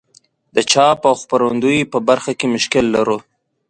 د چاپ او خپرندوی په برخه کې مشکل لرو.